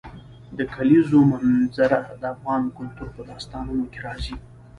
د کلیزو منظره د افغان کلتور په داستانونو کې راځي.